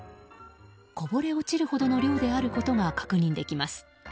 こぼれ落ちるほどの量であることが確認できます。